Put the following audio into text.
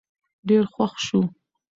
ډېر خوښ شو